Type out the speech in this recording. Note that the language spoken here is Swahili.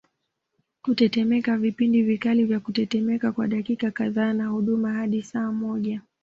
Kutetemeka vipindi vikali vya kutetemeka kwa dakika kadhaa na hudumu hadi saa moja